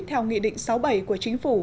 theo nghị định sáu bảy của chính phủ